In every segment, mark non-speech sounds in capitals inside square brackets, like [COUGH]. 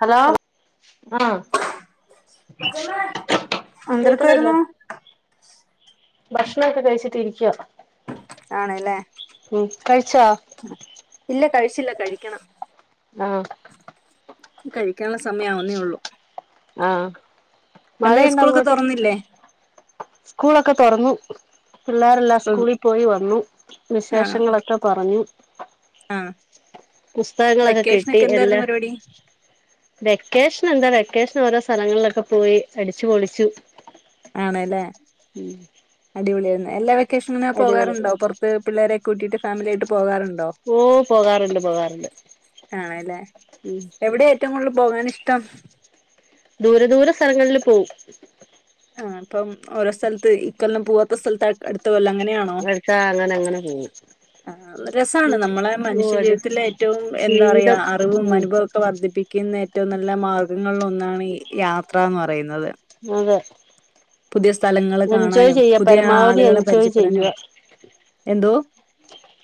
Hello ആഹ് എന്തരെക്കായിരുന്നു ഭക്ഷണം ഒക്കെ കഴിച്ചിട്ട് ഇരിക്ക ആണല്ലേ കഴിച്ചോ ഇല്ല കഴിച്ചില്ല കഴിക്കണം ആഹ് കഴിക്കാനുള്ള സമയാവുന്നേ ഉള്ളു ആഹ് എന്തായി മഴയുണ്ടോ സ്കൂളൊക്കെ അങ്ങോട്ട് തുറന്നില്ലേ സ്കൂളൊക്കെ തുറന്നു പിള്ളേരെല്ലാം സ്കൂൾ സ്കൂളിൽ പോയി വന്നു ആ വിശേഷങ്ങളൊക്കെ പറഞ്ഞു ആ പുസ്തകങ്ങളെക്കെ കിട്ടി വെക്കേഷനൊക്കെ എന്തായിരുന്നു എല്ലാ പരിപാടി വെക്കേഷനെന്താ ക്കേഷൻ ഓരോ സ്ഥലങ്ങളിലൊക്കെ പോയി അടിച്ച് പൊളിച്ചു ആണ്ല്ലെ ഉം ടി പൊളിആര്ന്നെ എല്ലാ വെ ക്കേഷ്ന് ഇങ്ങനെ അടിപൊളി പോകാറുണ്ടോ പൊറത്ത് പിള്ളേരെക്കെ കൂട്ടിട്ട് ഫാമിലി ആയിട്ട് പോകാറു ഓ പോകാറുണ്ട് പോകാറുണ്ട് മ് പോകാന് ഇഷ്ടം ദൂര ദൂര സ്ഥലങ്ങളിൽ പോവും ആ ഇപ്പം ഓരോ സ്ഥലത്ത് ഇക്കൊല്ലം പോവ് [UNINTELLIGIBLE] അടു വല്ലോം അങ്ങനെയാണോ അടുത്ത അങ്ങനെ അങ്ങനെ പോവും ആ രസാണ് നമ്മളെ ഓ മന്ഷ്യ അടി ജീവിതത്തിലെ ഏറ്റവും എന്താപറയുക ജീവിതം അറിവും ഉം അനുഭക്കെ വർദ്ധിപ്പിക്കുന്ന ഏറ്റവും നല്ല മാർഗ ങ്ങൾ ഒന്നാണ് യാത്രാന്ന് പറയുന്നത്. അതെ പുതിയ സ്ഥലങ്ങള് എൻജോയ് കാണാനും ചെയ്യ പുതിയ പരമാവധി ആളുകളെ എൻജോയ് പരിചയപ്പെടാനും ചെയ്യുക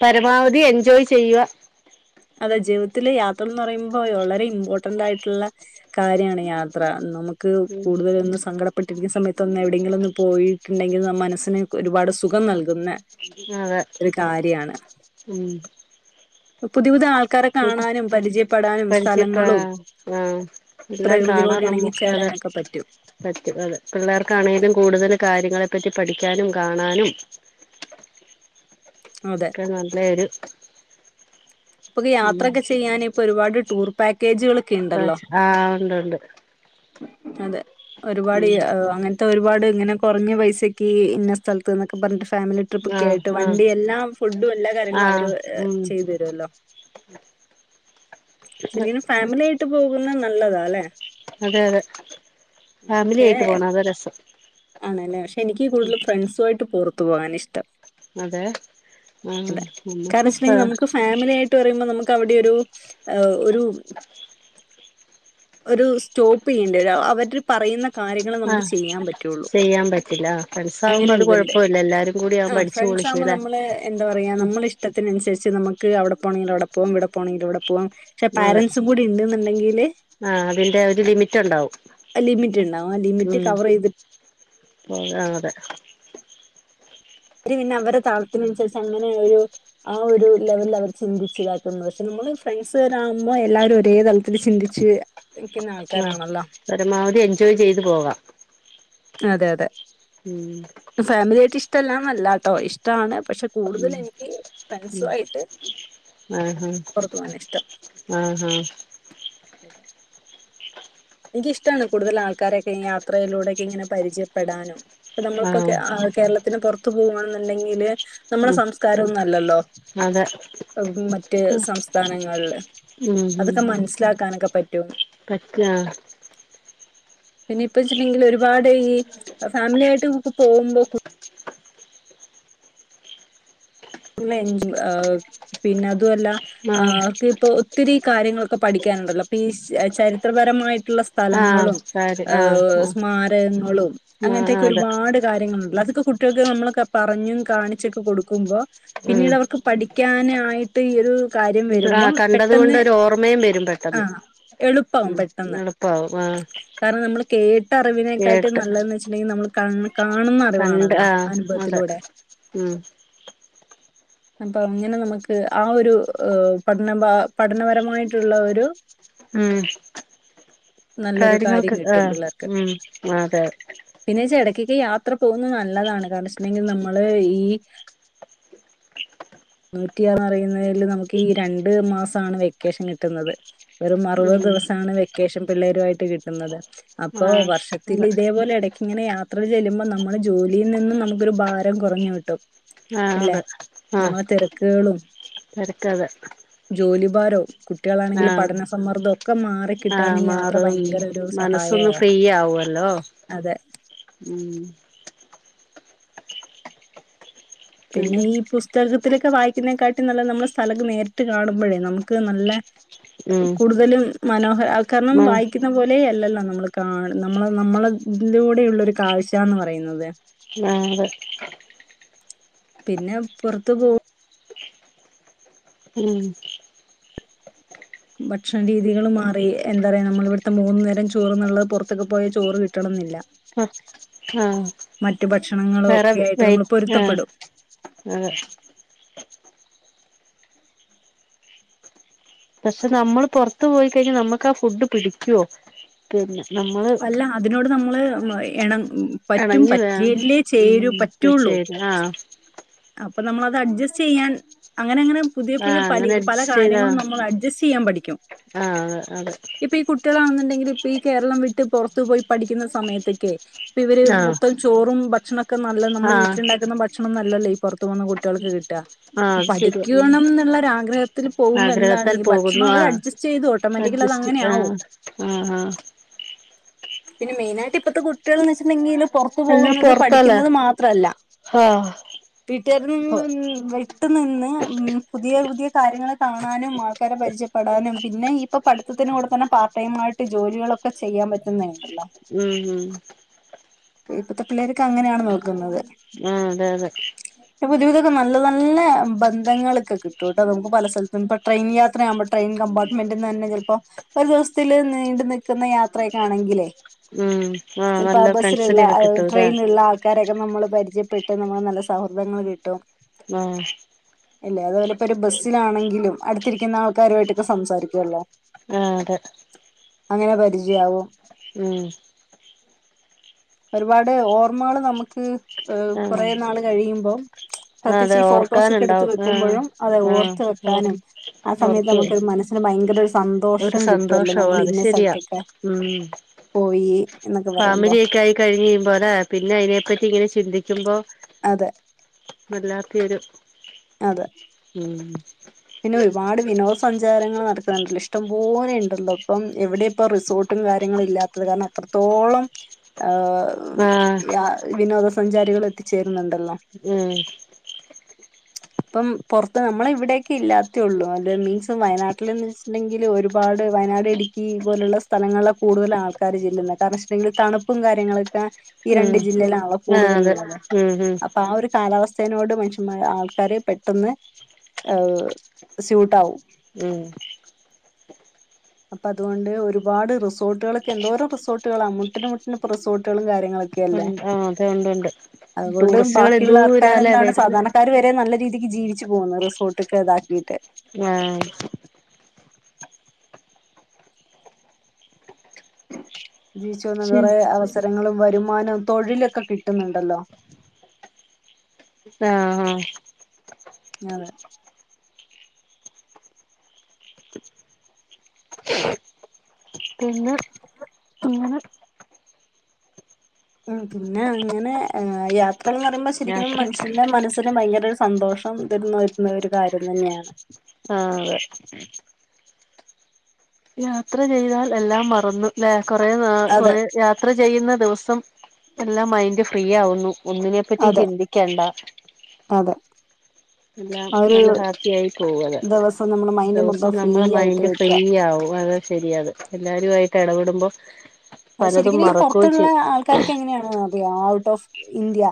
പരമാവധി എൻജോയ് ചെയ്യുവ അതെ ജീവിത്തില് യാത്രന്ന പറയുമ്പം വളരെ ഇമ്പോർട്ടന്റായിട്ടുള്ള കാര്യാണ് യാത്ര നമു ക്ക് കൂടുതലൊന്ന് സങ്കടം പെട്ടിരിക്കുന്ന സമയത്ത് ഒന്ന് എവിടെയങ്കിലുവോന്നു പോയിട്ടുണ്ടെങ്കിൽ ന മ്മനസ്സിന് ഒരുപാട് സുഖം നൽ കുന്ന അതെ ഒരു കാര്യാണ്. പുതിയ പുതിയ ആൾ പരിചയപെ അ സ്ഥലങ്ങളും ആ എല്ലാം കാണാൻ പ്രകൃതിയോട് നമ്മുക്ക് അതെ ഇണങ്ങിച്ചേരാനൊക്കെ പറ്റും. പറ്റും അതെ പിള്ളേർക്കാണെലും കൂടുതൽ കാര്യളെ പറ്റി പഠിക്കാനും കാണാനും അതെ ഇക്കെ നല്ലെയൊരു ഇപ്പൊക്കെ യാത്രക്കെ ചെയ്യാന് ഇപ്പ ഒരുപാട് ടൂർ പാക്കേജ്കള് [UNINTELLIGIBLE] ആ ഉണ്ട് ഉണ്ട് അതെ ഒരുപാട് എ ഉം അങ്ങനത്തെ ഒരുപാട് ഇങ്ങനെ കൊറഞ്ഞ പൈസക്ക് ഇന്ന സ്ഥലത്ത്ന്നൊക്കെ പറഞ്ഞിട്ട് ഫാമിലി ട്രിപ്പൊക്കെ ആഹ് ആയിട്ട് ആഹ് വണ്ടി എല്ലാ ഫുഡും എല്ലാകാര്യങ്ങളും അവര് ആഹ് ഉം ചെയ്ത് തരുല്ലോ. അതെ ചെറിയൊരു ഫാമിലി ആയിട്ട് പോകു ന്ന നല്ലതാല്ലെ? അതെ അതെ ഫാമിലി പക്ഷെ ആയിട്ട് പോണം അത രസം ആണല്ലേ പക്ഷെ എനിക്ക് കൂടുതല് ഫ്രണ്ട്സുമായിട്ട് പൊറ ത്തു പോകനാ ഇഷ്ടം അതെ ആഹ് അതെ കാരണം നമുക്ക് വെച്ചിട്ടുണ്ടെങ്കിൽ നമുക്ക് ഫാമിലി ആയിട്ട് പറയുമ്പോൾ നമുക്കവിടെ ഒരു ഒരു ഒരു സ്റ്റോപ്പ് ചെയ്യേണ്ടി വരു അവര് പറയുന്ന കാര്യങ്ങൾ നമുക്ക് ആഹ് ചെയ്യാൻ പ ചെയ്യാൻ പറ്റില്ല ഫ്രണ്ട്സാകുമ്പോ അത് കൊഴപ്പമില്ല എല്ലാരും കൂടി ആവുമ്പം ആഹ് അടിച്ചു ഫ്രണ്ട്സ് ആകുമ്പോ പൊളിക്കൂലേ ഉം റ്റും നമക്ക് അവിടെ പോണെങ്കിൽ അവിടെ പോവാം ഇവിടെ പോണെങ്കിൽ ഇവടെ പോവാം പക്ഷെ അതെ പേരൻസും കൂടി ഉണ്ട്ന്ന്ണ്ടെങ്കില് ആ അതിന്റെ ഒരു ലിമിറ്റ് ഉണ്ടാവും ലിമിറ്റ് ഇണ്ടാവും ആ ലിമിറ്റ് കവറെയ്ത് അത അതെ അവര് പിന്നെ അവരുടെ താളത്തിനന്നുസരിച്ച് അങ്ങനെ ഒരു ആ ഒരു ലെവലിൽ അവര് ചിന്തിച്ച ഇതാക്കുന്നത് പക്ഷെ നമ്മള് ഫ്രണ്ട്സുകാരാവുമ്പോ എല്ലാവരും ഒരേ തലത്തില് ചിന്തിച്ച് നിൽക്കുന്ന ആ ആൾക്കാരാണല്ലോ പരമാവധി എൻജോയ് ചെയ്ത് പോകാം അതെ അതെ ഉം ഫാമിലി ആയ്റ്റ് ഇഷ്ടല്ലാന്നല്ലാട്ടോ ഇഷ്ടാണ് പക്ഷെ കൂടുതൽ ഉം എനിക്ക് ഫ്രണ്ട്സു ഉം ആയിട്ട് ആഹ് പുറത്തു പോവാനാ ഇഷ്ടം ആഹ് ആഹ് അതെ എനിക്കിഷ്ടാണ് കൂടുതൽ ആൾക്കാരൊക്കെ യാത്രയിലൂടെയൊക്കെ ഇങ്ങനെ പരിചയപ്പെടാനും ഇപ്പ നമ്മളിപ്പ ആഹ് കേരളത്തിന് പൊർ ത്ത് പോണം എന്നുണ്ടെങ്കില് നമ്മുടെ ഉം സംസ്കാരം ഒന്നും അല്ലല്ലോ അതെ മറ്റ് ഉം സംസ്ഥാനങ്ങളില് ഉം അതൊക്കെ മനസ്സിലാക്കാനൊക്കെ പറ്റും പറ്റ പിന്നെ ഇപ്പ വെച്ചിട്ടുണ്ടെങ്കിൽ ഒരുപാട് ഈ ഫാമിലി ആയിട്ട് പോകുമ്പോ കു [UNINTELLIGIBLE] പിന്നെ [UNINTELLIGIBLE] അതു അല്ല ആഹ് അവർക്ക് ഇപ്പ ഒത്തിരി കാര്യങ്ങളൊക്കെ പഠിക്കാനുണ്ടല്ലോ ഇപ്പീ ചരിത്രപരമായിട്ട് ള്ള ആഹ് സ്ഥലങ്ങളും കാര്യം ആഹ് സ്മാരകങ്ങളും ആഹ് ആഹ് അങ്ങനത്തെക്കെ അതെ ഒരുപാട് കാര്യങ്ങളുണ്ടല്ലോ അതൊക്കെ കുട്ടികൾക്ക് നമ്മളൊക്കെ പറഞ്ഞും കാണിച്ചൊക്കെ കൊടുക്കുമ്പൊ ഉം പിന്നീട് അവർക്ക് പഠിക്കാന് ആയിട്ട് ഈ ഒരു കാര്യം ഇ ആ വരുമ്പം കണ്ടത് കൊണ്ട് പെട്ടെന്ന് ഒരു ഓർമ്മയും വരും പെട്ടെന്ന് ആഹ് എളുപ്പാവും ഉം എളുപ്പാവും ആഹ് കേ ട്ടറിവിനേക്കാട്ടിം കേട്ട് നല്ലത് ന്ന് വെച്ചിണ്ടെങ്കിൽ നമ്മള് കണ്ണ് കണ്ട് ആ അതെ ഉം അപ്പ അങ്ങനെ നമുക്ക് ആ ഒരു എ പഠന ബാ പഠനപരമായിട്ടുള്ള ഒരു ഉം നല്ലൊരു കാര്യം കാര്യങ്ങൾക്ക് ആ കിട്ടും പിള്ളേർക്ക് ഉം അതെ ക്ക്ക്കെ യാത്ര പോകുന്നത് നല്ലതാണ് കാരണംന്ന് ച്ചിട്ടുണ്ടെങ്കിൽ നമ്മള് ഈ നൂറ്റിയാറ്ന്ന് പറയുന്നേല് നമുക്ക് ഈ രണ്ട് മാസാണ് വെക്കേഷൻ കിട്ടുന്നത് വെറും അറുപത് ഉം ദിവസാണ് വെക്കേഷൻ പിള്ളേരു ആയിട്ട് കിട്ടുന്നത് ഇപ്പ ആഹ് വർഷത്തില് അതെ ഇതേപോലെ എടയ്ക്ക ഇങ്ങനെ യാത്രകള് ചെല്ലുമ്പ നമ്മുടെ ജോലിയിൽ നിന്നും നമുക്കൊരു ഭാരം കൊറഞ്ഞു കിട്ടും ആഹ് അല്ലെ അതെ ആഹ് നമ്മളെ തിരക്കുകളും തിരക്കതെ ജോലി ഭാരവും കുട്ടികളാണെങ്കിൽ ആഹ് പഠന സമ്മർദ്ദം ഒക്കെ മാറിക്കിട്ടാൻ ഈ യാ അപ്പം മനസ്സൊന്ന് ഫ്രീ ആവോല്ലോ അതെ ഊം പിന്നെ ഈ പുസ്തക ഇത്തിരിയൊക്കെ വായിക്കുന്നേക്കാട്ടീം നല്ല നമ്മൾ സ്ഥലത്ത് നേരിട്ട് കാണുമ്പോഴേ നമുക്ക് നല്ല ഉം കൂടുതലും മനോഹ അ കാരണം ആ വായിക്കുന്ന പോലെയല്ലല്ലോ നമ്മള് കാണണ നമ്മള നമ്മള ഇതിലൂടെയുള്ള ഒരു കാഴ്ചാന്ന് പറയുന്നത് ആതെ പിന്നെ പുറത്തു പോ ഉം ഭക്ഷണ രീതികളും മാറി എന്താ പറയാ നമ്മൾ ഇവിടുത്തെ മൂന്നു നേരം ചോറ്ന്നുള്ളത് പുറത്തൊക്കെ പോയ ചോറ് കിട്ടണം എന്നില്ല ആ മറ്റു ഭക്ഷണങ്ങളും വേറെ ഒക്കെ വ ആയിട്ട് നമ്മൾ ആ പൊരുത്തപ്പെടും അതെ പക്ഷെ നമ്മൾ പൊറത്ത് പോയി കഴിഞ്ഞാൽ നമ്മക്ക് ആ ഫുഡ് പിടിക്കുവോ പിന്നെ നമ്മള് അല്ല അതിനോട് നമ്മള് എണ എണങ്ങി വേ ഉം തീർച്ചയായും ആ അപ്പം നമ്മളത് അഡ്ജസ്റ്റ് ചെയ്യാൻ അ അങ്ങനെ അങ്ങനെ പുതിയ ആഹ് പുതിയ പലേ അങ്ങനെ പല അഡ്ജസ്റ്റ് ചെയ്താ കാര്യങ്ങളും നമ്മൾ അഡ്ജസ്റ്റ് ചെയ്യാൻ പഠിക്കും ആഹ് അതെ ഇപ്പ ഈ കുട്ടികളാണെന്നുണ്ടെങ്കില് ഈ കേരളം വിട്ട് പൊറത്തു പോയി പഠിക്കുന്ന സമയത്തക്കെ ഇവര് ആഹ് മൊത്തം ചോറും ഭക്ഷണക്കെ നല്ല നമ്മള് ആഹ് വീട്ടിലുണ്ടാക്കുന്ന ഭക്ഷണം നല്ലല്ലേ പത്ത്മൂന്ന് കുട്ടികൾക്ക് കിട്ടാ ആഹ് അപ്പൊ അത് ശരിയാ ഉം പഠിക്കണം എന്നുള്ള ഒരു ആഗ്രഹത്തിൽ പോകുമ്പോ എന്താണ് ആഗ്രഹത്താൽ ഈ പോകുന്നു ഭക്ഷണം അവര് ആഹ് അഡ്ജസ്റ്റ് ചെയ്തു ഓട്ടോമാറ്റിക്കലിഅത് അഡ്ജസ്റ്റ് അങ്ങനെ ആവും ആഹ് ആഹ് ആഹ് പിന്നെ മെയിനായിട്ട് ഇപ്പഴത്തെ കുട്ടികൾന്ന്ച്ചിട്ടുണ്ടെങ്കിലും പൊറത്തു എല്ലാം പോകുന്നത് പൊറത്താല്ലേ പഠിക്കുന്നത് മാത്രല്ല ആഹ് വീട്ടുകാരിൽ പൊ നിന്ന് വിട്ട് നിന്ന് ഉം പുതിയ പുതിയ കാര്യങ്ങളൊ കാണാനും ആൾക്കാരെ പരിചയപ്പെടാനും പിന്നെ ഈ ഇപ്പം പഠിത്തത്തിന് കൊടുക്കുന്ന പാർടൈയിം ആയിട്ട് ട്ട് ജോലികളൊക്കെ ചെയ്യാൻ പറ്റുന്നാണ് ഉം ഉം ഇപ്പഴത്തെ പിള്ളേർക്ക് അങ്ങനെയാണ് നോക്കുന്നത് ആ അതെ അതെ പുതിയ പുതിതൊക്കെ നല്ല നല്ല ബന്ധങ്ങളൊക്കെ കിട്ടും കേട്ടോ നമുക്ക് പല സ്ഥലത്തും ഇപ്പൊ ട്രെയിൻ യാത്രയാകുമ്പോൾ ട്രെയിൻ കമ്പാർട്ട്മെന്റ്ന്ന് തന്നെ ചിലപ്പോ ഒരു ദിവസത്തില് നീണ്ടു നിൽക്കുന്ന യാത്രയൊക്കെ ആണെങ്കിലേ ഉം ആഹ് ചിലപ്പോ നല്ല ആ ബസ്സിലുള്ള ഫ്രണ്ട്സിനെയൊക്കെ ആ കിട്ടൂല്ലേ ട്രെയിനിലുള്ള ആൾക്കാരൊക്കെ നമ്മള് പരി ചയപ്പെട്ട് നമ്മള് നല്ല സൗഹൃദങ്ങൾ കിട്ടും. ആഹ അല്ലെ അതുപോലെ ഇപ്പൊ ഒരു ബസ്സിലാണെങ്കിലും അടുത്തിരിക്കുന്ന ആൾക്കാരുമായിട്ടൊക്കെ സംസാരിക്കുവല്ലോ. ആ അതെ. അങ്ങനെ പരിചയാവും ഉം. ഒരുപാട് ഓർമ്മകള് നമുക്ക് ആഹ് കുറെ നാള് കഴിയുമ്പോം ആഹ് അതെ പ്രത്യേകിച്ച് ഈ ഫോട്ടോസ് ഒക്കെ എടുത്ത് ഓർക്കാനുണ്ടാവും ആഹ് വെക്കുമ്പോഴും അത് ആഹ് ഓർത്ത് ഓർ വെക്കാനും ആ സമയത്ത് ഓർത്ത് നമുക്കൊരു മനസ്സിന് ഭയങ്കര ഒരു ഒരു സന്തോഷം കിട്ടുമല്ലോ സന്തോഷവും നമ്മുടെ അത് ഇന്ന ശരിയാ സ്ഥലത്തൊക്കെ ഉം പോയി എന്നൊക്കെ പറയുമ്പോ ഫാമിലി ഒക്കെ ആയി കഴിഞ്ഞ് [UNINTELLIGIBLE] പിക്കുമ്പോൾ അതെ വല്ലാത്തയൊരു അതെ. ഉം. എുന്നുണ്ടല്ലോ ഇഷ്ടംപോലെ ഉണ്ടല്ലോ ഇപ്പം എവിടെ ഇപ്പോ റിസോർട്ടും കാര്യങ്ങളും ഇല്ലാത്തത് കാരണം അത്രത്തോളം ഹ ആഹ് എഹ് ആ വിനോദ സ സഞ്ചാരികൾ എത്തിച്ചേ ഉം. ഇപ്പം പുറത്ത് നമ്മള ഇവിടെയൊക്കെ ഇല്ലാത്തേ ഉള്ളൂ അ മീൻസ് വയനാട്ടിലന്ന് വെച്ചിട്ടുണ്ടെങ്കിൽ ഒരുപാട് വയനാട് ഇടുക്കി പോലുള്ള സ്ഥലങ്ങളെ കൂടുതൽ ആൾക്കാര് ചെല്ലുന്നുന്നത് കാരണം വെച്ചിട്ടണ്ടെങ്കിൽ തണുപ്പും കാര്യങ്ങളൊക്കെ ഈ ഉം രണ്ട് ജില്ലയിലാണല്ലോ ആഹ് അതെ കൂടുതലുള്ളത് ഉം അപ്പൊ ആ ഒരു കാലാവസ് [UNINTELLIGIBLE] നോട് മനുഷ്യമാര് ആൾ ആൾക്കാര് പെട്ടെന്ന് സ്യൂട്ടാവും. ഉം. അപ്പൊ അതുകൊണ്ട് ഒരുപാട് റിസോർട്ടുകളൊക്കെ എന്തോരോ റിസോർട്ടുകളാണ് മുട്ടിനു മുട്ടിന് റിസോർട്ടുകളും കാര്യങ്ങളൊക്കെ അല്ലേ ഉണ്ട് ആ അതെ ഉണ്ട് ഉണ്ട് അതുകൊണ്ട് ടൂറിസ്റ്റുകൾ ബാക്കിയുള്ള എന്തൂരാല്ലെ ആൾക്കാരെന്താണ് വരുന്ന് സാധാരണക്കാര് വരെ നല്ല രീതിക്ക് ജീവിച്ച് പോകു റിസോർട്ടക്കെതാക്ക [UNINTELLIGIBLE] ആഹ ജീവിച്ചു വന്ന ശ് കുറെേ അവസരങ്ങളും വരും മാനോം തൊഴിലും ഒക്കെ കിട്ടുന്നുണ്ടല്ലോ ആഹ ആഹ. ആഹ് പിന്നെ ഇങ്ങെനെ ഉം പിന്നെ അങ്ങനെ ഏ യാ [UNINTELLIGIBLE] പറയ്മ്പോ ശരിക്കിനും യാത്ര മനുഷ്യന്റെ മനസ്സിന് ഭയങ്കര സന്തോഷം തരുന്ന [UNINTELLIGIBLE] വരുന്ന ഒരു കാര്യം തന്നെയാണ്. ആഹ് അതെ യാത്ര ചെയ്താൽ എല്ലാം മറന്നുല്ലേ. കൊറെ നാ അതെ കൊറെ യാത്ര ചെയ്യുന്ന ദിവസം എല്ലാം മൈൻഡ്. ഫ്രീ ആവുന്നു ഒന്നിനെ പറ്റി അതെ ചിന്തിക്കണ്ട അതെ എല്ലാം ആ ഒരു നല്ല ഹാപ്പി ആയി പോവതെ, ദിവസം നമ്മുടെ മൈൻഡ് ദിവസം മൊത്തം ഫ്രീ നമ്മുടെ ആയിട്ട് മൈൻഡ് വെക്കുക ഫ്രീ ആവും. വളരെ ശരിയാണ് എല്ലാരുമായിട്ട് ഇടപെടുമ്പോ. അതു പലതും ശരിക്കിന് മറക്കുകയും പുറത്തുള്ള ചെയ്യും ആൾക്കാരൊക്കെ എങ്ങനെയാണ് എന്ന്. ഔട്ട് ഓഫ് ഇന്ത്യ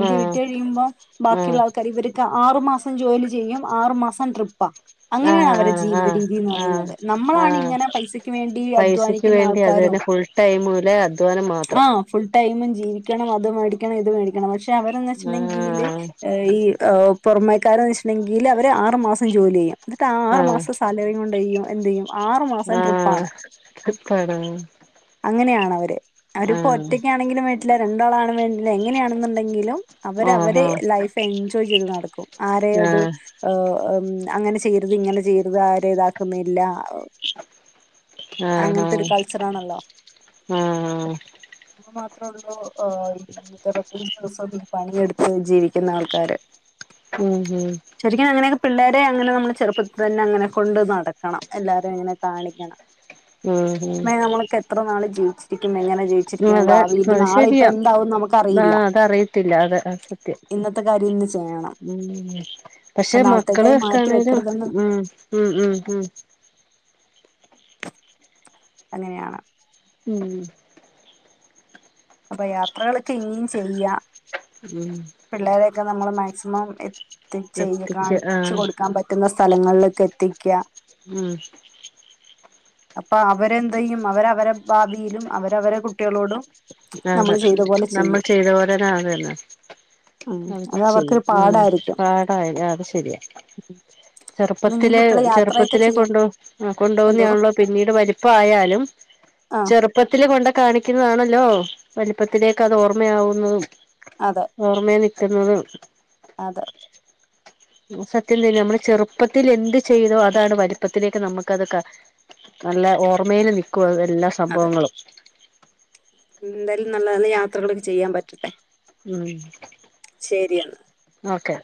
ഇന്ത്യ വിട്ട് ആഹ് കഴിയുമ്പോ ബാക്കിയുള്ള ആഹ് ആൾക്കാർ ഇവർക്ക് ആറുമാസം. ഇപ്പൊ ജോലി ചെയ്യും ആറു മാസം ട്രിപ്പാ. അങ്ങനെയാണ് ആഹ് അവരുടെ ആഹ് ജീവിതരീതി എന്ന് ആഹ് പറയുന്നത്, ആഹ് നമ്മളാണ് ആഹ് ഇങ്ങനെ പൈസക്ക് വേണ്ടി അധ്വാനിക്കുന്ന ആൾക്കാരും. ടൈം അല്ലെ അധ്വാനം മാത്രം. എന്നും ജീവിക്കണം അത് മേടിക്കണം ഇത് മേടിക്കണം പക്ഷേ. റ്റ് അവറെയെന്ന് വച്ചിട്ടുണ്ടെങ്കില് ആഹ് ഈ ഔ. പുറമേക്കാരൻ അല്ലെങ്കിൽ അവര് ആറുമാസം ജോലി ചെയ്യും എന്നിട്ട് ആറ് ആഹ് മാസം സാലറി കൊണ്ട് ഈ യ്യു- എന്തു ചെയ്യും- ആറു മാസം ട്രിപ്പാണ് ആഹ് ട്രിപ്പാണാ- അങ്ങനെയാണവര്- അവര്പ്പോ ഒറ്റക്കാണെങ്കിലും വീട്ട്ല് - രണ്ടാളാണ് വേണ്ടില എങ്ങനെയാണെന്നുണ്ടെങ്കിലും- അവര ആഹ് അവരെ ആഹ് ലൈഫ് എൻജോയ് ചെയ്ത് നടക്കും ആരെ അത് ആഹ് ഓ അങ്ങനെ ചെയ്യരുത് ഇങ്ങനെ ചെയ്യരുത് ആരെ ഇതാക്കുന്നില്ല- ആഹ് അങ്ങനത്തെ ഒരു കൾച്ചറാണല്ലോ? ആഹ് - അത് മാത്രമേള്ളൂ- ആഹ [UNINTELLIGIBLE] [UNINTELLIGIBLE] പണിയെടുത്ത് ജീവിക്കുന്ന ആൾക്കാര്- ഉം മ്- ശരിക്കും അങ്ങനെയൊക്കെ പിള്ളേരെ അങ്ങനെ നമ്മള് ചെറുപ്പത്തി തന്നെ അങ്ങനെ കൊണ്ട് നടക്കണം എല്ലാരെയ അങ്ങനെ കാണിക്കണം- ഉം ഹം ന്നാ നമ്മളൊക്കെ എത്ര നാള് ജീവിച്ചിരിക്കും എങ്ങനെ- ജീവിച്ചിരിക്കും അതെ ഭാവിയിൽ അത് നാളെ ഇപ്പൊ ശെരിയാ എന്താവും ആ നമുക്കറിയില്ല അതറിയത്തില്ല അതെ അത് സത്യം ഇന്നത്തെ കാര്യം ഇന്ന് ചെയ്യണം ഉം ഇപ്പൊ പക്ഷെ മക്കള് നാളത്തേക്കായി മാറ്റി ഒക്കാണേലും വെക്കരുതെന്ന് ഉം ഉം ഉം ഉം അങ്ങനെയാണ് ഉം അപ്പൊ യാത്രകൾ ഇനി ചെയ്യ ഉം പിള്ളേർ ക്കെ നമ്മൾ മാക്സിമം [UNINTELLIGIBLE] ചെയ്യ എത്തിക്ക കാണിച്ചു ആഹ് കൊടുക്കാൻ പറ്റുന്ന സ്ഥലങ്ങളിൽ കത്തിക ഉം അപ്പ അവരെന്ത ചെയ്യും അവര അവരെ ഭാവിയിലും അവര അവരെ കുട്ടികളോടും അത് നമ്മൾ ചെയ്ത പോലെ നമ്മൾ ചെയ്യും ചെയ്ത പോലെന്നത് തന്നെ ഉം അവത് അത് അവർക്കൊരു ചെയ്യും ഉ പാടായിരിക്കും പാടായ അത് ശരിയാ ഇനി ചെറുപ്പത്തിലെ കുട്ടികളെ യാത്രയൊക്കെ ചെറുപ്പത്തിലെ ചെയ്യാം കൊണ്ട കൊണ്ട എന്തോ പോന്നതണല്ലോ പിന്നീട് വലിപ്പയാലും ആ ചെറുപ്പത്തിലെ കൊണ്ട കാണിക്കുന്നതാണല്ലോ വലിപ്പത്തിലേക്ക് അത് ഓർമ്മയാവുന്നു അതെ ഓർമ്മേനി എത്തുന്നത് അതെ സത്യ തന്നെ നമ്മള് ചെറുപ്പത്തിൽ എന്ത് ചെയ്തോ അതാണ് വലുപ്പത്തിലേക്ക് നമുക്ക്തൊക്ക നല്ല ഓർമേയില് നക്കും എല്ലാ അതെ സംഭവങ്ങളും എന്തായാലും നല്ല നല്ല യാത്രകൾ ചെയ്യാൻ പറ്റട്ടെ ഉം ശരിയെന്നാ ഓക്കെ